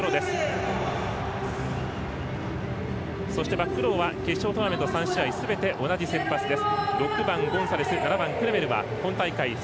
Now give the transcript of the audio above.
バックローは、決勝トーナメント３試合、すべて同じ先発です。